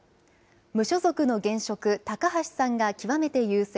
無所属の現職高橋さんが極めて優勢。